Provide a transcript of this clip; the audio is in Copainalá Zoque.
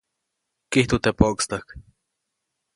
Kijtu teʼ poʼkstäjk.